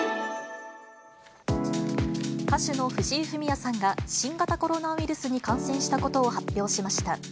歌手の藤井フミヤさんが新型コロナウイルスに感染したことを発表しました。